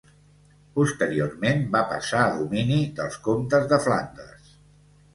Posteriorment va passar a domini dels comtes de Flandes.